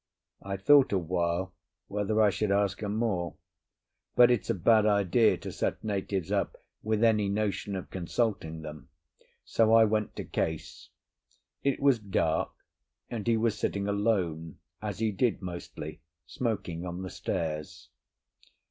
I thought awhile whether I should ask her more, but it's a bad idea to set natives up with any notion of consulting them, so I went to Case. It was dark, and he was sitting alone, as he did mostly, smoking on the stairs.